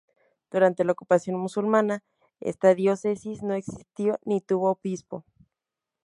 Durante la ocupación musulmana, esta diócesis no existió ni tuvo obispo.